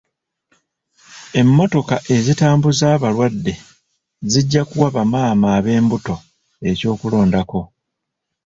Emmotoka ezitambuza abalwadde zijja kuwu bamaama ab'embuto eky'okulondako.